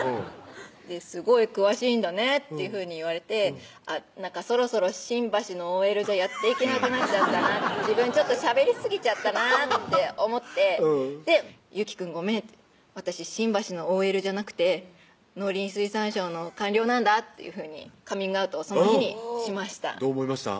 「すごい詳しいんだね」っていうふうに言われてあっそろそろ新橋のＯＬじゃやっていけなくなっちゃったな自分ちょっとしゃべりすぎちゃったなと思って「祐樹くんごめん私新橋のＯＬじゃなくて農林水産省の官僚なんだ」っていうふうにカミングアウトをその日にしましたどう思いました？